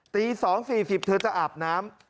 ตี๒๔๐เธอจะอาบน้ำ